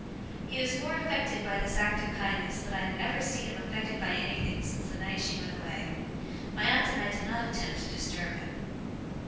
He was more affected by this act of kindness, than I had ever seen him affected by anything since the night she went away. My aunt and I did not attempt to disturb him.